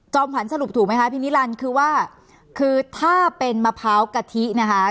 ขวัญสรุปถูกไหมคะพี่นิรันดิ์คือว่าคือถ้าเป็นมะพร้าวกะทินะคะ